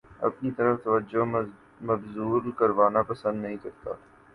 اپنی طرف توجہ مبذول کروانا پسند نہیں کرتا